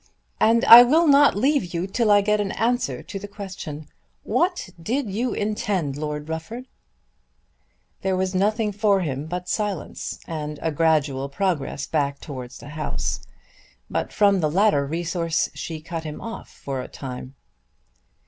"And I will not leave you till I get an answer to the question. What did you intend, Lord Rufford?" There was nothing for him but silence and a gradual progress back towards the house. But from the latter resource she cut him off for a time.